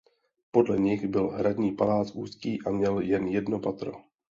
Podle nich byl hradní palác úzký a měl jen jedno patro.